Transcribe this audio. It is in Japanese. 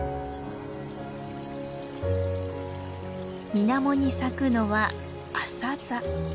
水面に咲くのはアサザ。